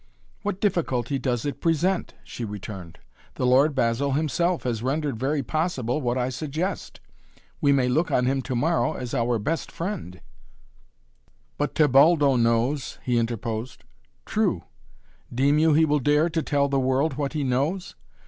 "What difficulty does it present?" she returned. "The Lord Basil himself has rendered very possible what I suggest. We may look on him to morrow as our best friend " "But Tebaldo knows," he interposed. "True! Deem you, he will dare to tell the world what he knows?